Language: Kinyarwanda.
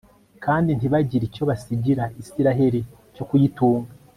kandi ntibagire icyo basigira israheli cyo kuyitunga